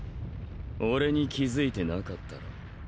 俺に気付いてなかったろ！？